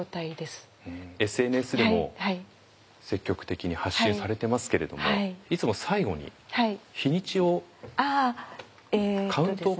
ＳＮＳでも積極的に発信されてますけれどもいつも最後に日にちをカウントを書いてますよね。